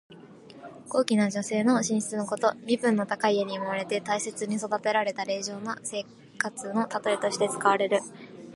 高貴な女性の寝室のこと。身分の高い家に生まれて大切に育てられた令嬢の生活のたとえとして使われる。